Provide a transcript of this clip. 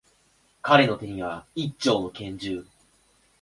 彼の手には、一丁の拳銃。